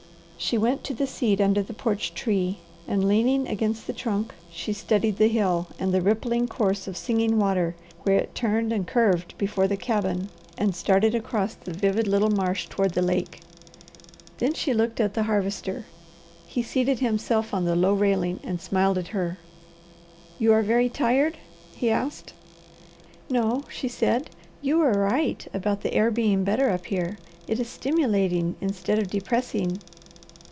She went to the seat under the porch tree and leaning against the trunk she studied the hill, and the rippling course of Singing Water where it turned and curved before the cabin, and started across the vivid little marsh toward the lake. Then she looked at the Harvester. He seated himself on the low railing and smiled at her. "You are very tired?" he asked. "No," she said. "You are right about the air being better up here. It is stimulating instead of depressing."